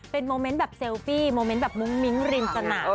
เป็นโมเมนต์แบบเซลฟี่โมเมนต์แบบมุ้งมิ้งริมสนาม